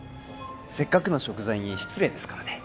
せっかくの食材に失礼ですからね